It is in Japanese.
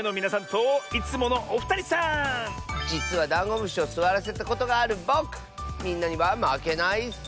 じつはダンゴムシをすわらせたことがあるぼくみんなにはまけないッス！